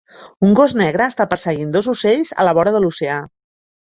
Un gos negre està perseguint dos ocells a la vora de l'oceà